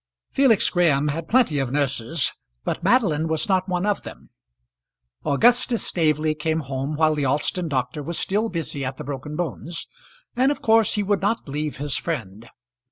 Felix Graham had plenty of nurses, but Madeline was not one of them. Augustus Staveley came home while the Alston doctor was still busy at the broken bones, and of course he would not leave his friend.